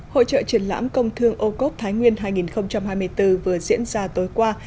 hội trợ triển lãm công thương âu cốp thái nguyên hai nghìn hai mươi bốn vừa diễn ra tối qua